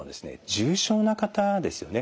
重症な方ですよね。